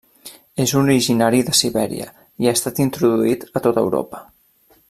És originari de Sibèria i ha estat introduït a tot Europa.